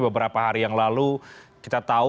beberapa hari yang lalu kita tahu